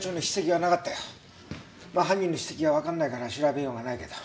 まあ犯人の筆跡がわからないから調べようがないけど。